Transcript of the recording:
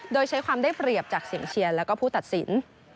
โดยใช้ความได้เปรียบจากเสียงเชียร์แล้วก็ผู้ตัดสิน